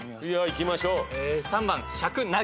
いきましょう。